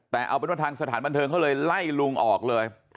แต่เอาเป็นว่าทางสถานบันเทิงเขาเลยไล่ลุงออกเลย